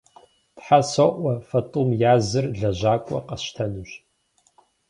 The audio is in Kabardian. Тхьэ соӏуэ, фэ тӏум я зыр лэжьакӏуэ къэсщтэнущ.